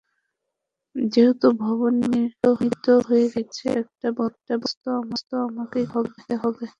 যেহেতু ভবন নির্মিত হয়ে গেছে, এটার একটা বন্দোবস্ত আমাকে করতে হবে।